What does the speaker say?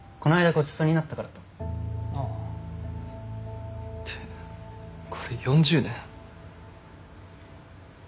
ごちそうになったからとああってこれ４０年？